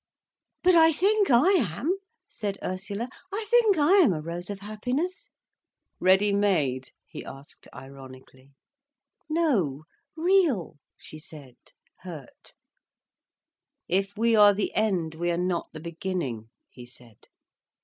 "But I think I am," said Ursula. "I think I am a rose of happiness." "Ready made?" he asked ironically. "No—real," she said, hurt. "If we are the end, we are not the beginning," he said.